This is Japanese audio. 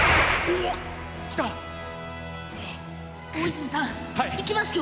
大泉さん、いきますよ。